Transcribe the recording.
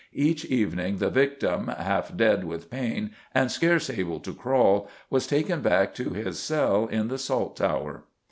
Each evening the victim, "half dead with pain, and scarce able to crawl," was taken back to his cell in the Salt Tower.